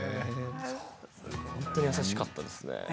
本当に優しかったです。